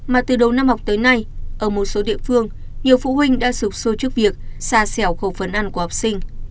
mà từ đầu năm học tới nay ở một số địa phương nhiều phụ huynh đã sụp sôi trước việc xa xẻo khẩu phấn ăn của học sinh